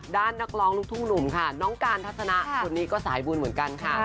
ด้านนักร้องลูกทุ่งหนุ่มน้องการทัศนะตรงนี้ก็สายบุญเหมือนกัน